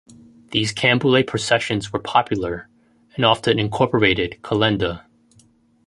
These canboulay processions were popular, and often incorporated kalenda.